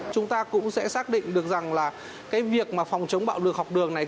chúng ta cũng sẽ xác định được rằng là cái việc mà phòng chống bạo lực học đường này